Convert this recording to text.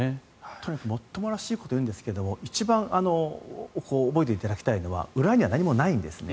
とにかくもっともらしいことを言うんですが一番、覚えていただきたいのは裏には何もないんですね。